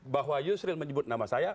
bahwa yusril menyebut nama saya